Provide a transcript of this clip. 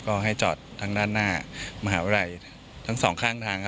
ก็ให้จอดทางด้านหน้ามหาวิทยาลัยทั้งสองข้างทาง